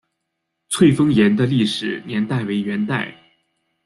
翠峰岩的历史年代为元代。